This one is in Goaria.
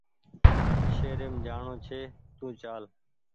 شهريم جاڻو ڇي تو چال